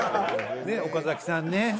「ねえ岡崎さんね」。